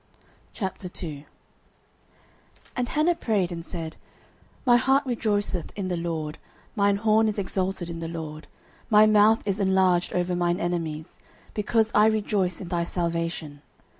09:002:001 And Hannah prayed, and said, My heart rejoiceth in the LORD, mine horn is exalted in the LORD: my mouth is enlarged over mine enemies; because I rejoice in thy salvation.